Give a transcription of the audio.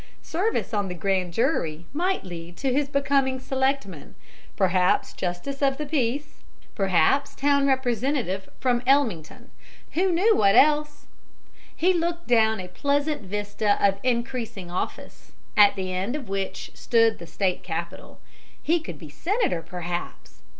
Service on the grand jury might lead to his becoming selectman, perhaps justice of the peace, perhaps town representative from Ellmington who knew what else? He looked down a pleasant vista of increasing office, at the end of which stood the state capitol. He could be senator, perhaps!